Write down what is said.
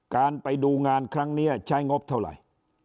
การไปดูงานครั้งนี้ใช้งบเท่าไหร่